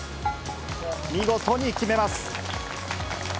見事に決めます。